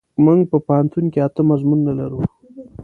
مونږ په پوهنتون کې اته مضمونونه لرو.